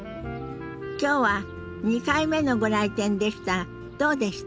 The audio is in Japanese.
今日は２回目のご来店でしたがどうでした？